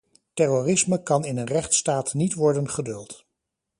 Terrorisme kan in een rechtsstaat niet worden geduld.